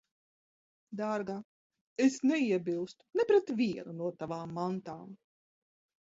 Dārgā, es neiebilstu ne pret vienu no tavām mantām.